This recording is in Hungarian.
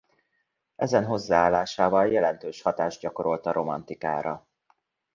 Ezen hozzáállásával jelentős hatást gyakorolt a romantikára.